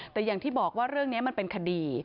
แต่อย่างที่บอกว่าเรื่องนี้มันเป็นคดี